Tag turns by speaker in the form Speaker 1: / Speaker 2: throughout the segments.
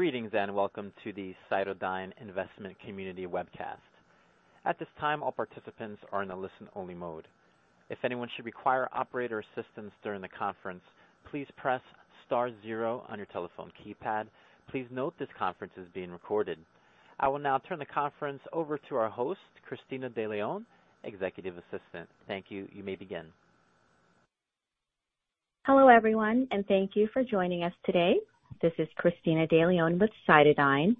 Speaker 1: Greetings, and welcome to the CytoDyn Investment Community webcast. At this time, all participants are in a listen-only mode. If anyone should require operator assistance during the conference, please press star zero on your telephone keypad. Please note this conference is being recorded. I will now turn the conference over to our host, Cristina De Leon, executive assistant. Thank you. You may begin.
Speaker 2: Hello, everyone, thank you for joining us today. This is Cristina De Leon with CytoDyn.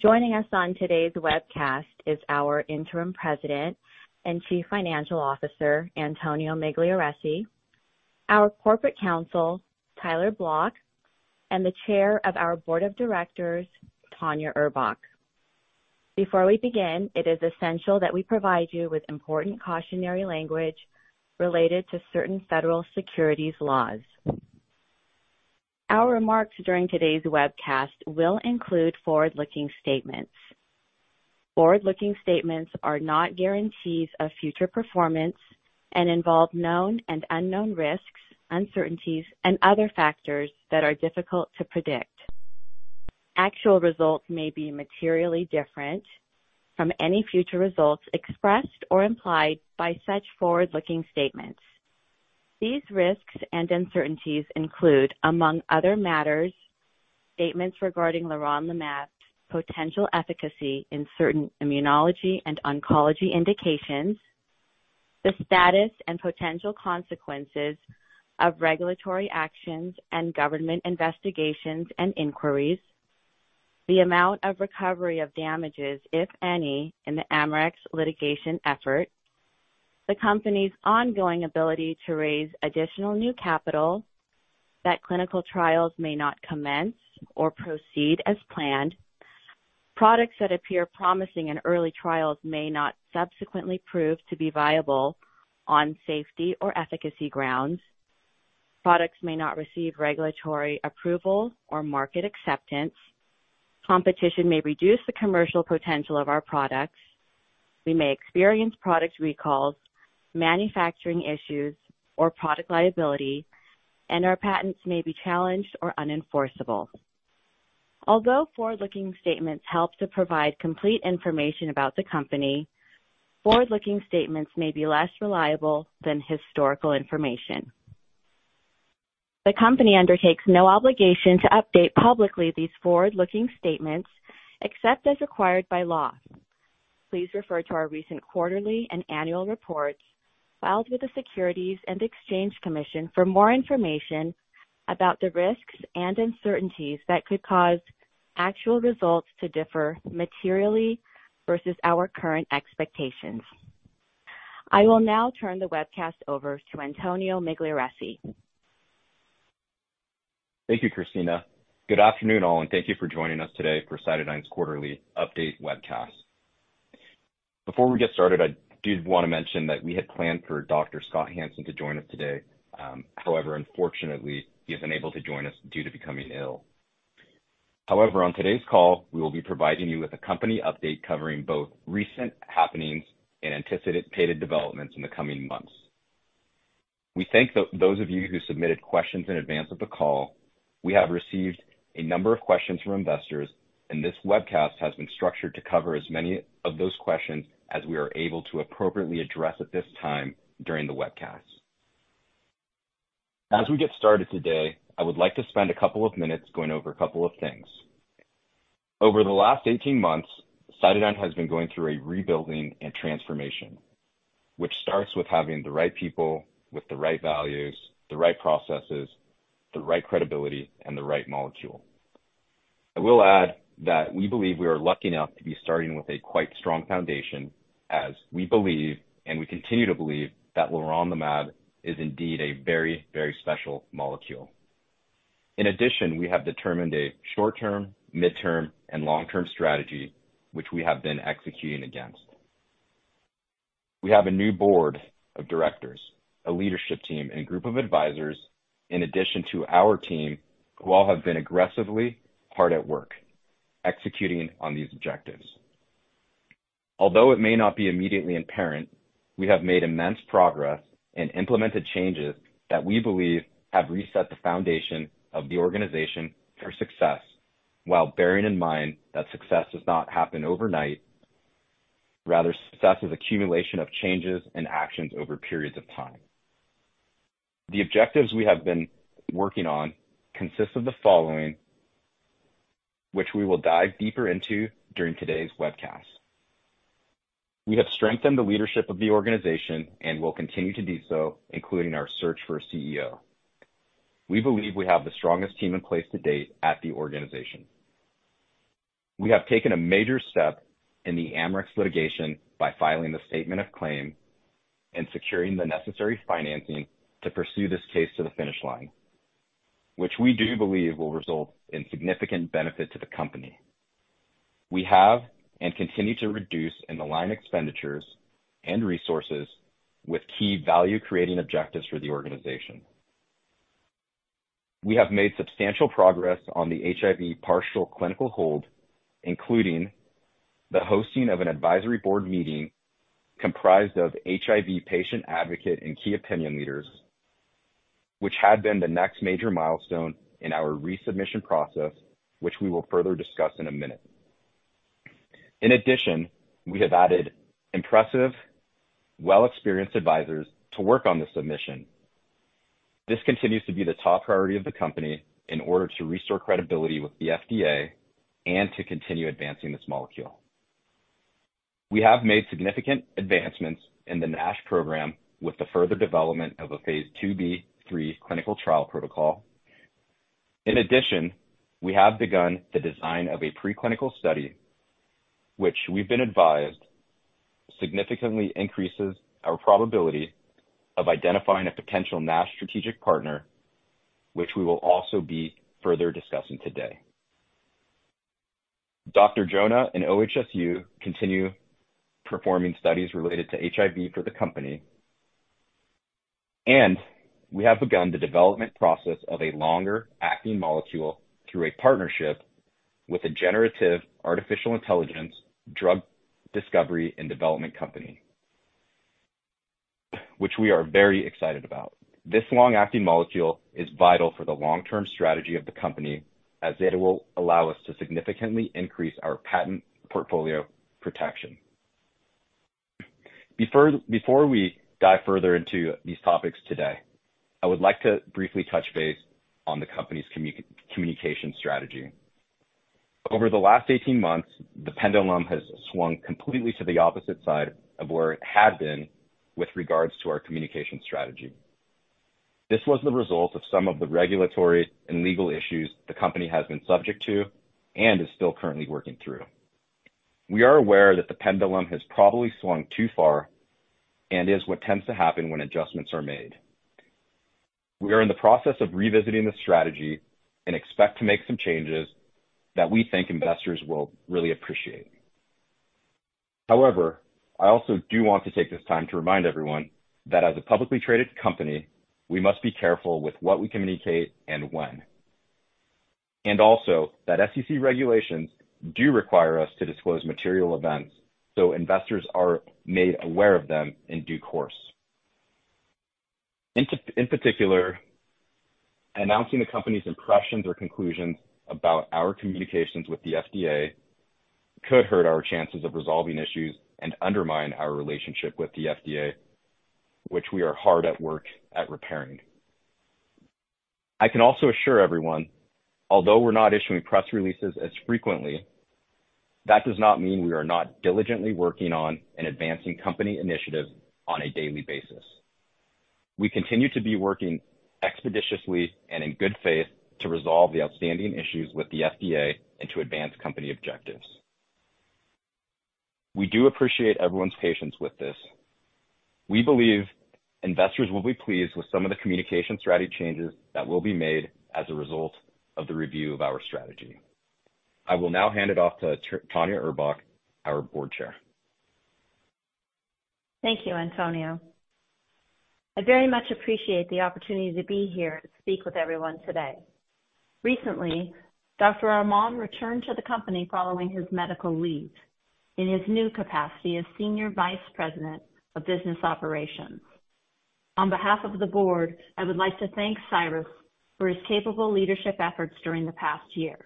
Speaker 2: Joining us on today's webcast is our Interim President and Chief Financial Officer, Antonio Migliarese, our Corporate Counsel, Tyler Blok, and the Chair of our Board of Directors, Tanya Urbach. Before we begin, it is essential that we provide you with important cautionary language related to certain federal securities laws. Our remarks during today's webcast will include forward-looking statements. Forward-looking statements are not guarantees of future performance and involve known and unknown risks, uncertainties, and other factors that are difficult to predict. Actual results may be materially different from any future results expressed or implied by such forward-looking statements. These risks and uncertainties include, among other matters, statements regarding leronlimab's potential efficacy in certain immunology and oncology indications, the status and potential consequences of regulatory actions and government investigations and inquiries, the amount of recovery of damages, if any, in the Amarex litigation effort, the company's ongoing ability to raise additional new capital, that clinical trials may not commence or proceed as planned. Products that appear promising in early trials may not subsequently prove to be viable on safety or efficacy grounds. Products may not receive regulatory approval or market acceptance. Competition may reduce the commercial potential of our products. We may experience product recalls, manufacturing issues, or product liability, and our patents may be challenged or unenforceable. Although forward-looking statements help to provide complete information about the company, forward-looking statements may be less reliable than historical information. The company undertakes no obligation to update publicly these forward-looking statements, except as required by law. Please refer to our recent quarterly and annual reports filed with the Securities and Exchange Commission for more information about the risks and uncertainties that could cause actual results to differ materially versus our current expectations. I will now turn the webcast over to Antonio Migliarese.
Speaker 3: Thank you, Cristina. Good afternoon, all, and thank you for joining us today for CytoDyn's quarterly update webcast. Before we get started, I do want to mention that we had planned for Dr. Scott Hansen to join us today. However, unfortunately, he is unable to join us due to becoming ill. However, on today's call, we will be providing you with a company update covering both recent happenings and anticipated developments in the coming months. We thank those of you who submitted questions in advance of the call. We have received a number of questions from investors, and this webcast has been structured to cover as many of those questions as we are able to appropriately address at this time during the webcast. As we get started today, I would like to spend a couple of minutes going over a couple of things. Over the last 18 months, CytoDyn has been going through a rebuilding and transformation, which starts with having the right people with the right values, the right processes, the right credibility, and the right molecule. I will add that we believe we are lucky enough to be starting with a quite strong foundation, as we believe, and we continue to believe, that leronlimab is indeed a very, very special molecule. In addition, we have determined a short-term, mid-term, and long-term strategy, which we have been executing against. We have a new board of directors, a leadership team, and a group of advisors, in addition to our team, who all have been aggressively hard at work executing on these objectives. Although it may not be immediately apparent, we have made immense progress and implemented changes that we believe have reset the foundation of the organization for success, while bearing in mind that success does not happen overnight. Rather, success is accumulation of changes and actions over periods of time. The objectives we have been working on consist of the following, which we will dive deeper into during today's webcast. We have strengthened the leadership of the organization and will continue to do so, including our search for a CEO. We believe we have the strongest team in place to date at the organization. We have taken a major step in the Amarex litigation by filing the Statement of Claim and securing the necessary financing to pursue this case to the finish line, which we do believe will result in significant benefit to the company. We have and continue to reduce in the line expenditures and resources with key value-creating objectives for the organization. We have made substantial progress on the HIV partial clinical hold, including the hosting of an advisory board meeting comprised of HIV patient advocate and key opinion leaders, which had been the next major milestone in our resubmission process, which we will further discuss in a minute. In addition, we have added impressive, well-experienced advisors to work on the submission. This continues to be the top priority of the company in order to restore credibility with the FDA and to continue advancing this molecule. We have made significant advancements in the NASH program with the further development of a phase IIB/III clinical trial protocol. We have begun the design of a preclinical study, which we've been advised significantly increases our probability of identifying a potential NASH strategic partner, which we will also be further discussing today. Dr. Jonah and OHSU continue performing studies related to HIV for the company, and we have begun the development process of a longer acting molecule through a partnership with a generative artificial intelligence, drug discovery and development company, which we are very excited about. This long acting molecule is vital for the long-term strategy of the company, as it will allow us to significantly increase our patent portfolio protection. Before we dive further into these topics today, I would like to briefly touch base on the company's communication strategy. Over the last 18 months, the pendulum has swung completely to the opposite side of where it had been with regards to our communication strategy. This was the result of some of the regulatory and legal issues the company has been subject to and is still currently working through. We are aware that the pendulum has probably swung too far and is what tends to happen when adjustments are made. We are in the process of revisiting the strategy and expect to make some changes that we think investors will really appreciate. I also do want to take this time to remind everyone that as a publicly traded company, we must be careful with what we communicate and when, and also that SEC regulations do require us to disclose material events so investors are made aware of them in due course. In particular, announcing the company's impressions or conclusions about our communications with the FDA could hurt our chances of resolving issues and undermine our relationship with the FDA, which we are hard at work at repairing. I can also assure everyone, although we're not issuing press releases as frequently, that does not mean we are not diligently working on and advancing company initiatives on a daily basis. We continue to be working expeditiously and in good faith to resolve the outstanding issues with the FDA and to advance company objectives. We do appreciate everyone's patience with this. We believe investors will be pleased with some of the communication strategy changes that will be made as a result of the review of our strategy. I will now hand it off to Tanya Urbach, our board chair.
Speaker 4: Thank you, Antonio. I very much appreciate the opportunity to be here to speak with everyone today. Recently, Dr. Arman returned to the company following his medical leave in his new capacity as Senior Vice President of Business Operations. On behalf of the board, I would like to thank Cyrus for his capable leadership efforts during the past year,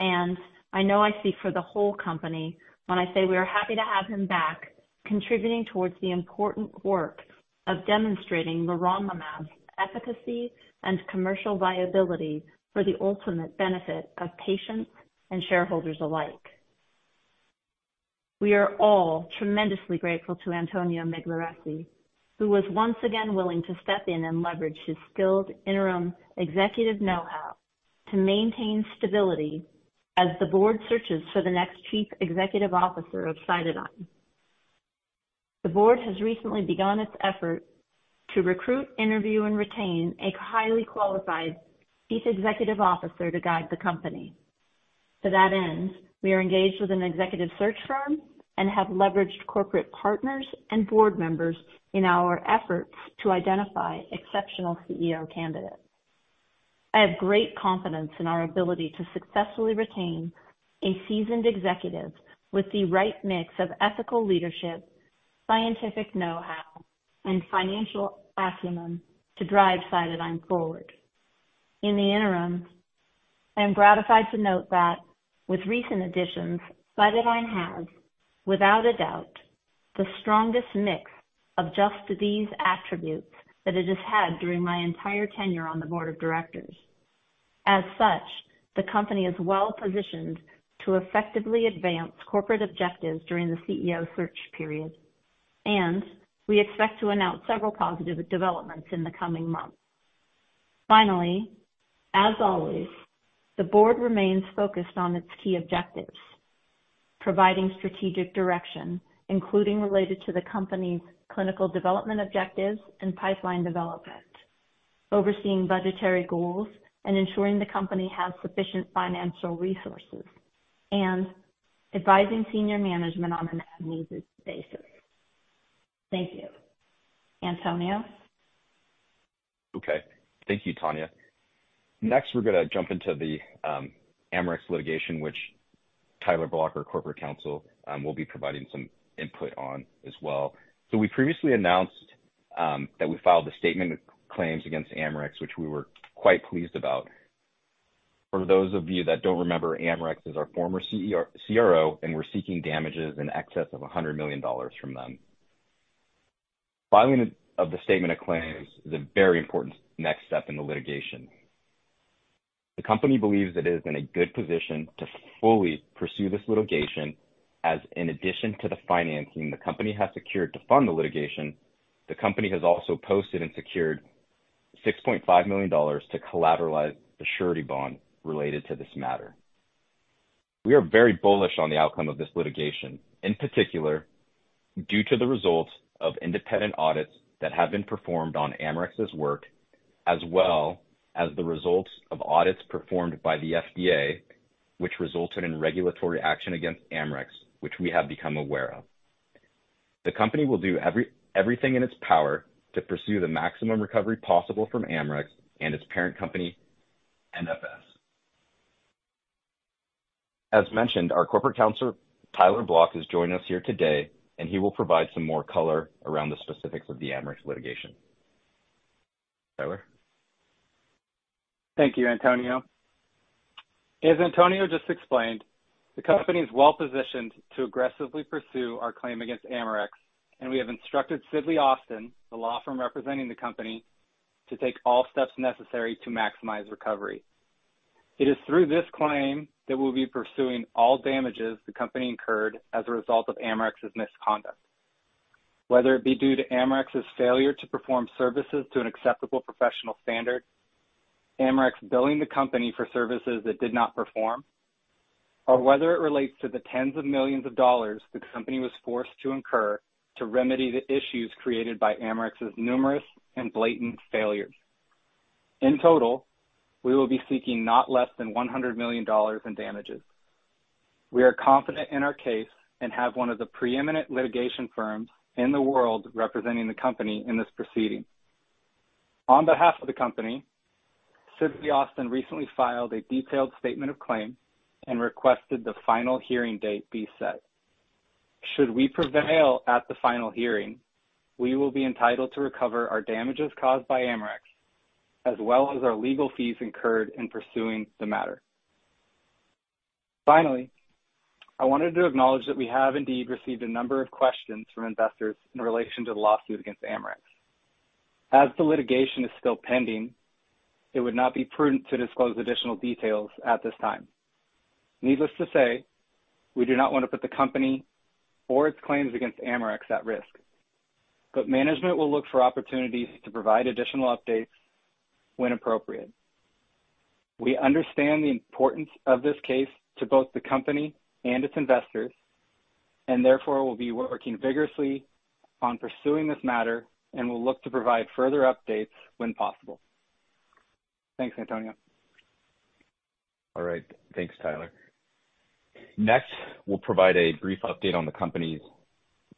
Speaker 4: and I know I speak for the whole company when I say we are happy to have him back, contributing towards the important work of demonstrating leronlimab's efficacy and commercial viability for the ultimate benefit of patients and shareholders alike. We are all tremendously grateful to Antonio Migliarese, who was once again willing to step in and leverage his skilled interim executive know-how to maintain stability as the board searches for the next chief executive officer of CytoDyn. The board has recently begun its effort to recruit, interview, and retain a highly qualified chief executive officer to guide the company. To that end, we are engaged with an executive search firm and have leveraged corporate partners and board members in our efforts to identify exceptional CEO candidates. I have great confidence in our ability to successfully retain a seasoned executive with the right mix of ethical leadership, scientific know-how, and financial acumen to drive CytoDyn forward. In the interim, I am gratified to note that with recent additions, CytoDyn has, without a doubt, the strongest mix of just these attributes that it has had during my entire tenure on the board of directors. As such, the company is well positioned to effectively advance corporate objectives during the CEO search period, and we expect to announce several positive developments in the coming months. Finally, as always, the board remains focused on its key objectives: providing strategic direction, including related to the company's clinical development objectives and pipeline development, overseeing budgetary goals and ensuring the company has sufficient financial resources, and advising senior management on an as-needed basis. Thank you. Antonio?
Speaker 3: Okay. Thank you, Tanya. Next, we're going to jump into the Amarex litigation. Tyler Blok, our Corporate Counsel, will be providing some input on as well. We previously announced that we filed a Statement of Claim against Amarex, which we were quite pleased about. For those of you that don't remember, Amarex is our former CRO, and we're seeking damages in excess of $100 million from them. Filing of the Statement of Claim is a very important next step in the litigation. The company believes it is in a good position to fully pursue this litigation, as in addition to the financing the company has secured to fund the litigation, the company has also posted and secured $6.5 million to collateralize the surety bond related to this matter. We are very bullish on the outcome of this litigation, in particular, due to the results of independent audits that have been performed on Amarex's work, as well as the results of audits performed by the FDA, which resulted in regulatory action against Amarex, which we have become aware of. The company will do everything in its power to pursue the maximum recovery possible from Amarex and its parent company, NSF. As mentioned, our corporate counselor, Tyler Blok, has joined us here today, and he will provide some more color around the specifics of the Amarex litigation. Tyler?
Speaker 5: Thank you, Antonio. As Antonio just explained, the company is well positioned to aggressively pursue our claim against Amarex, and we have instructed Sidley Austin, the law firm representing the company, to take all steps necessary to maximize recovery. It is through this claim that we'll be pursuing all damages the company incurred as a result of Amarex's misconduct. Whether it be due to Amarex's failure to perform services to an acceptable professional standard, Amarex billing the company for services it did not perform, or whether it relates to the tens of millions of dollars the company was forced to incur to remedy the issues created by Amarex's numerous and blatant failures. In total, we will be seeking not less than $100 million in damages. We are confident in our case and have one of the preeminent litigation firms in the world representing the company in this proceeding. On behalf of the company, Sidley Austin recently filed a detailed Statement of Claim and requested the final hearing date be set. Should we prevail at the final hearing, we will be entitled to recover our damages caused by Amarex, as well as our legal fees incurred in pursuing the matter. I wanted to acknowledge that we have indeed received a number of questions from investors in relation to the lawsuit against Amarex. As the litigation is still pending, it would not be prudent to disclose additional details at this time. Needless to say, we do not want to put the company or its claims against Amarex at risk, but management will look for opportunities to provide additional updates when appropriate. We understand the importance of this case to both the company and its investors, and therefore will be working vigorously on pursuing this matter and will look to provide further updates when possible. Thanks, Antonio.
Speaker 3: All right. Thanks, Tyler. Next, we'll provide a brief update on the company's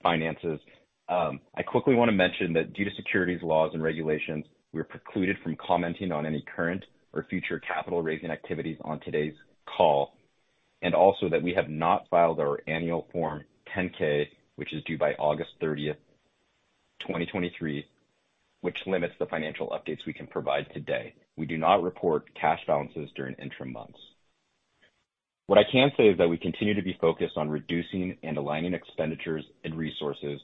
Speaker 3: finances. I quickly want to mention that due to securities laws and regulations, we are precluded from commenting on any current or future capital raising activities on today's call. Also, we have not filed our annual Form 10-K, which is due by August 30, 2023, which limits the financial updates we can provide today. We do not report cash balances during interim months. I can say that we continue to be focused on reducing and aligning expenditures and resources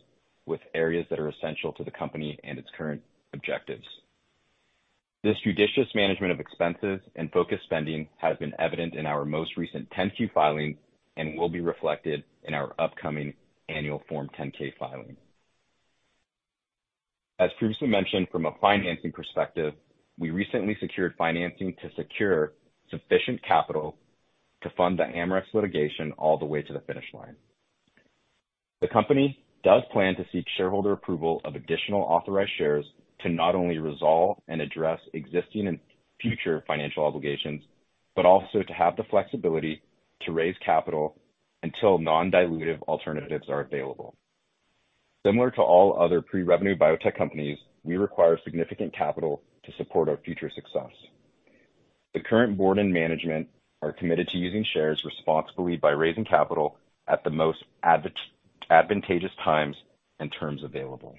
Speaker 3: with areas that are essential to the company and its current objectives. This judicious management of expenses and focused spending has been evident in our most recent 10-Q filing and will be reflected in our upcoming annual Form 10-K filing. As previously mentioned, from a financing perspective, we recently secured financing to secure sufficient capital to fund the Amarex litigation all the way to the finish line. The company does plan to seek shareholder approval of additional authorized shares to not only resolve and address existing and future financial obligations, but also to have the flexibility to raise capital until non-dilutive alternatives are available. Similar to all other pre-revenue biotech companies, we require significant capital to support our future success. The current board and management are committed to using shares responsibly by raising capital at the most advantageous times and terms available.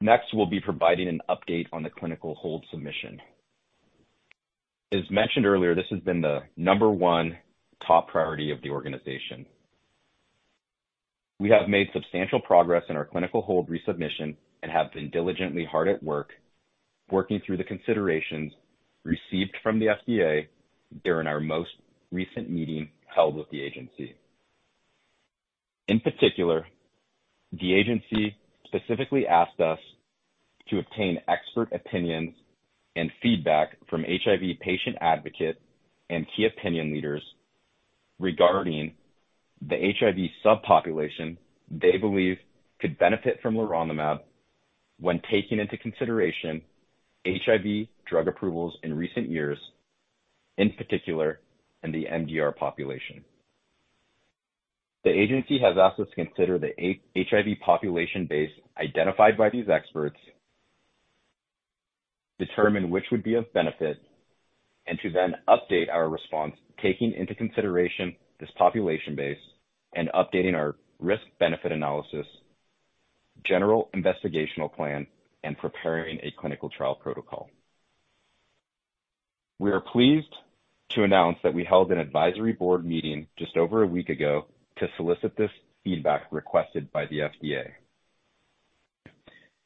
Speaker 3: Next, we'll be providing an update on the clinical hold submission. As mentioned earlier, this has been the number one top priority of the organization. We have made substantial progress in our clinical hold resubmission and have been diligently hard at work, working through the considerations received from the FDA during our most recent meeting held with the agency. In particular, the agency specifically asked us to obtain expert opinions and feedback from HIV patient advocate and key opinion leaders regarding the HIV subpopulation they believe could benefit from leronlimab when taking into consideration HIV drug approvals in recent years, in particular in the MDR population. The agency has asked us to consider the an HIV population base identified by these experts, determine which would be of benefit, to then update our response, taking into consideration this population base and updating our risk-benefit analysis, general investigational plan, and preparing a clinical trial protocol. We are pleased to announce that we held an advisory board meeting just over a week ago to solicit this feedback requested by the FDA.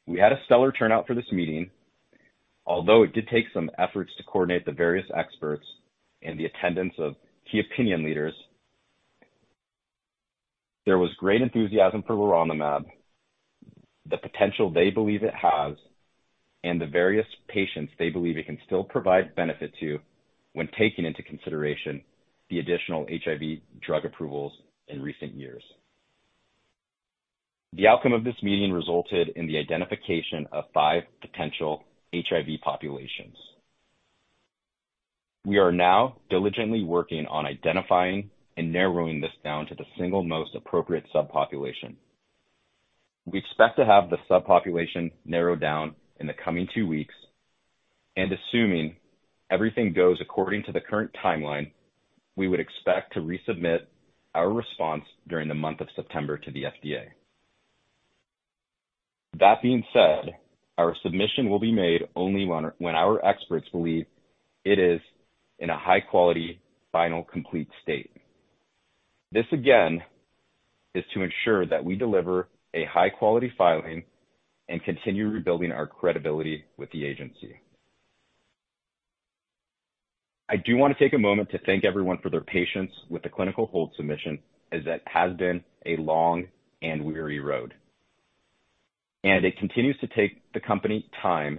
Speaker 3: We had a stellar turnout for this meeting, although it did take some efforts to coordinate the various experts and the attendance of key opinion leaders. There was great enthusiasm for leronlimab, the potential they believe it has, and the various patients they believe it can still provide benefit to when taking into consideration the additional HIV drug approvals in recent years. The outcome of this meeting resulted in the identification of five potential HIV populations. We are now diligently working on identifying and narrowing this down to the single most appropriate subpopulation. We expect to have the subpopulation narrowed down in the coming two weeks, and assuming everything goes according to the current timeline, we would expect to resubmit our response during the month of September to the FDA. That being said, our submission will be made only when our experts believe it is in a high-quality, final, complete state. This, again, is to ensure that we deliver a high-quality filing and continue rebuilding our credibility with the agency. I do want to take a moment to thank everyone for their patience with the clinical hold submission, as it has been a long and weary road, and it continues to take the company time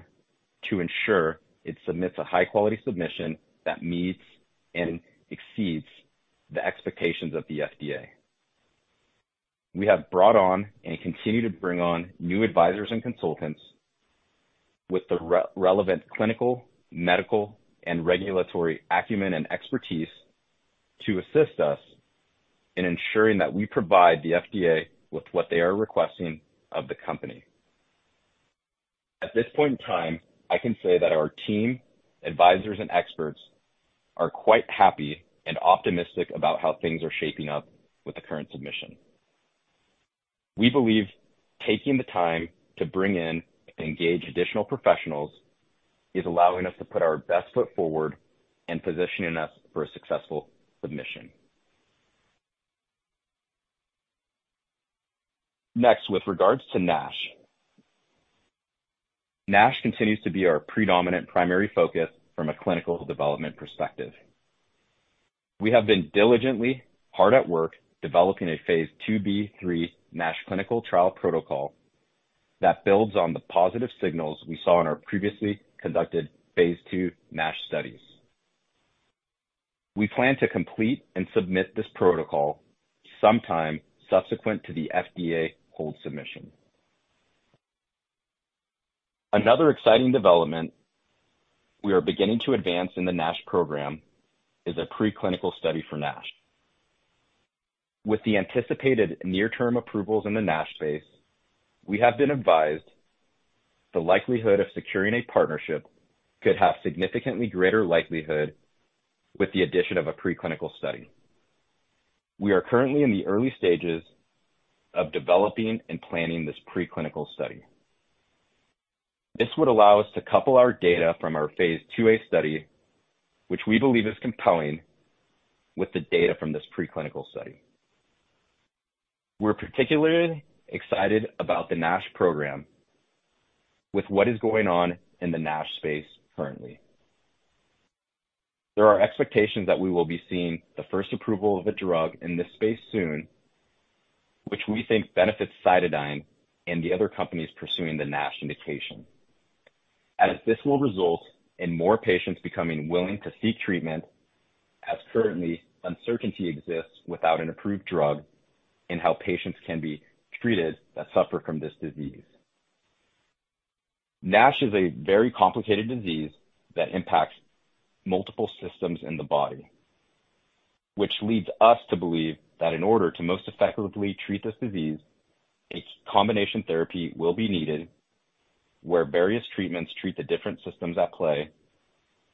Speaker 3: to ensure it submits a high-quality submission that meets and exceeds the expectations of the FDA. We have brought on and continue to bring on new advisors and consultants with the relevant clinical, medical, and regulatory acumen and expertise to assist us in ensuring that we provide the FDA with what they are requesting of the company. At this point in time, I can say that our team, advisors, and experts are quite happy and optimistic about how things are shaping up with the current submission. We believe taking the time to bring in and engage additional professionals is allowing us to put our best foot forward and positioning us for a successful submission. With regards to NASH. NASH continues to be our predominant primary focus from a clinical development perspective. We have been diligently hard at work developing a phase IIB/III NASH clinical trial protocol that builds on the positive signals we saw in our previously conducted phase II NASH studies. We plan to complete and submit this protocol sometime subsequent to the FDA hold submission. Another exciting development we are beginning to advance in the NASH program is a preclinical study for NASH. With the anticipated near-term approvals in the NASH space, we have been advised the likelihood of securing a partnership could have significantly greater likelihood with the addition of a preclinical study. We are currently in the early stages of developing and planning this preclinical study. This would allow us to couple our data from our phase IIA study, which we believe is compelling, with the data from this preclinical study. We're particularly excited about the NASH program with what is going on in the NASH space currently. There are expectations that we will be seeing the first approval of a drug in this space soon, which we think benefits CytoDyn and the other companies pursuing the NASH indication, as this will result in more patients becoming willing to seek treatment, as currently uncertainty exists without an approved drug in how patients can be treated that suffer from this disease. NASH is a very complicated disease that impacts multiple systems in the body, which leads us to believe that in order to most effectively treat this disease, a combination therapy will be needed, where various treatments treat the different systems at play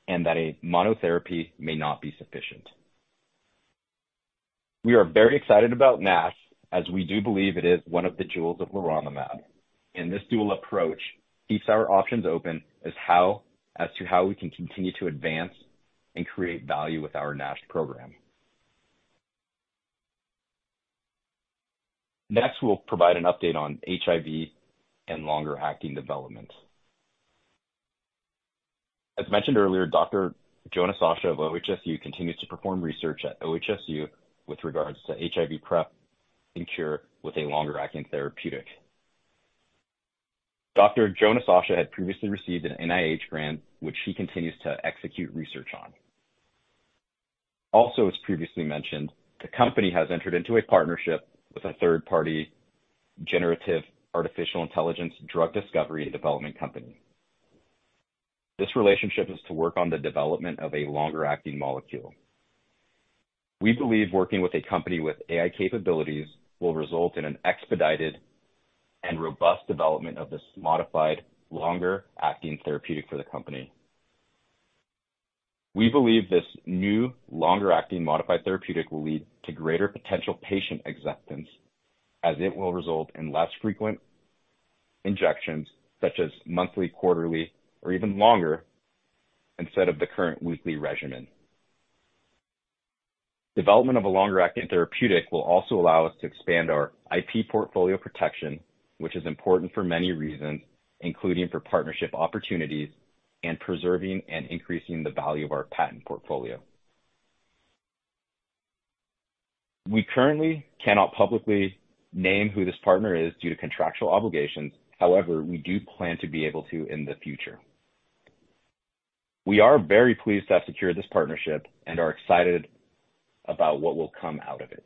Speaker 3: and that a monotherapy may not be sufficient. We are very excited about NASH, as we do believe it is one of the jewels of leronlimab. This dual approach keeps our options open as to how we can continue to advance and create value with our NASH program. Next, we'll provide an update on HIV and longer-acting development. As mentioned earlier, Dr. Jonah Sacha of OHSU continues to perform research at OHSU with regards to HIV PrEP and cure with a longer-acting therapeutic. Dr. Jonah Sacha had previously received an NIH grant, which he continues to execute research on. As previously mentioned, the company has entered into a partnership with a third-party generative artificial intelligence drug discovery and development company. This relationship is to work on the development of a longer-acting molecule. We believe working with a company with AI capabilities will result in an expedited and robust development of this modified, longer-acting therapeutic for the company. We believe this new, longer-acting modified therapeutic will lead to greater potential patient acceptance, as it will result in less frequent injections, such as monthly, quarterly, or even longer, instead of the current weekly regimen. Development of a longer-acting therapeutic will also allow us to expand our IP portfolio protection, which is important for many reasons, including for partnership opportunities and preserving and increasing the value of our patent portfolio. We currently cannot publicly name who this partner is due to contractual obligations. However, we do plan to be able to in the future. We are very pleased to have secured this partnership and are excited about what will come out of it.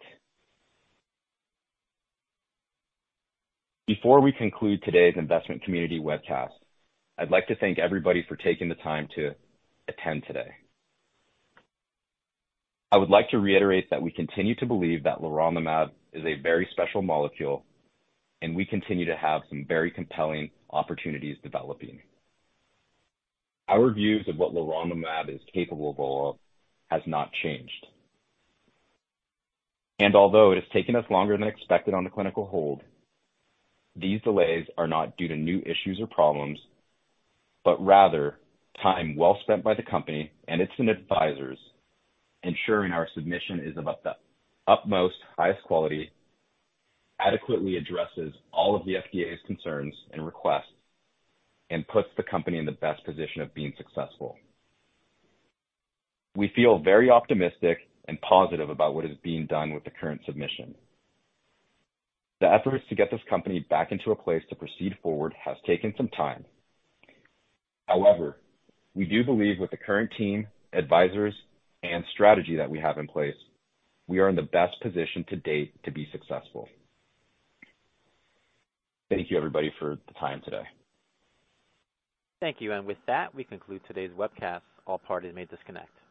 Speaker 3: Before we conclude today's investment community webcast, I'd like to thank everybody for taking the time to attend today. I would like to reiterate that we continue to believe that leronlimab is a very special molecule, and we continue to have some very compelling opportunities developing. Our views of what leronlimab is capable of has not changed. Although it has taken us longer than expected on the clinical hold, these delays are not due to new issues or problems, but rather time well spent by the company and its advisors, ensuring our submission is of the utmost highest quality, adequately addresses all of the FDA's concerns and requests, and puts the company in the best position of being successful. We feel very optimistic and positive about what is being done with the current submission. The efforts to get this company back into a place to proceed forward has taken some time. However, we do believe with the current team, advisors, and strategy that we have in place, we are in the best position to date to be successful. Thank you, everybody, for the time today.
Speaker 1: Thank you. With that, we conclude today's webcast. All parties may disconnect.